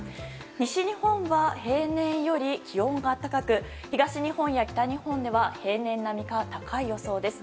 西日本は、平年より気温が高く東日本や北日本では平年並みか高い予想です。